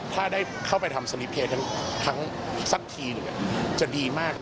ถ้าได้เข้าไปทำสนิทเพลงทั้งสักทีจะดีมาก